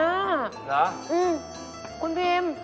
อืมคุณพิมพ์